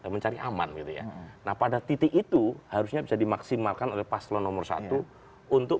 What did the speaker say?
mencari aman gitu ya nah pada titik itu harusnya bisa dimaksimalkan oleh paslon nomor satu untuk